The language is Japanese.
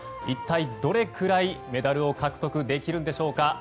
一体どれくらいメダルを獲得できるのでしょうか。